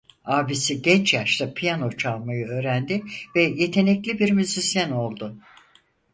Abisi genç yaşta piyano çalmayı öğrendi ve yetenekli bir müzisyen oldu.